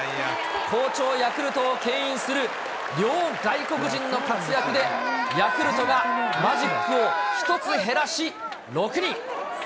好調ヤクルトをけん引する両外国人の活躍で、ヤクルトがマジックを１つ減らし、６に。